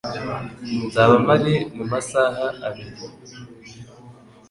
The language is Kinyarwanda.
Nzaba mpari mumasaha abiri.